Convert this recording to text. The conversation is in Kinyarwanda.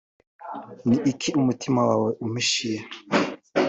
ni iki umutima wawe umpishiye